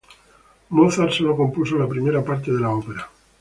Mozart solo compuso la primera parte de la ópera.